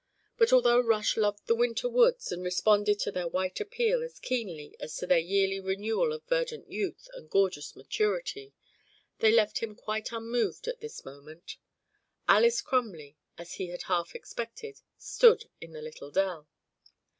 But although Rush loved the winter woods and responded to their white appeal as keenly as to their yearly renewal of verdant youth and gorgeous maturity, they left him quite unmoved at this moment. Alys Crumley, as he had half expected, stood in the little dell.